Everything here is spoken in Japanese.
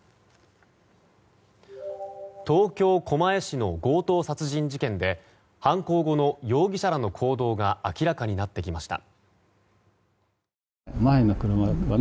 東京・狛江市の強盗殺人事件で犯行後の容疑者らの行動が明らかになってきました。